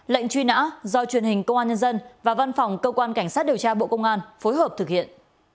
lệnh truy nã do truyền hình công an nhân dân và văn phòng cơ quan cảnh sát điều tra bộ công an phối hợp thực hiện